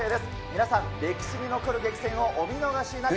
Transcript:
皆さん、歴史に残る激戦をお見逃しなく。